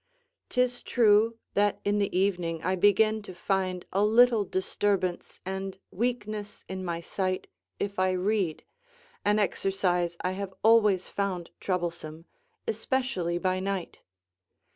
'Tis true that in the evening I begin to find a little disturbance and weakness in my sight if I read, an exercise I have always found troublesome, especially by night.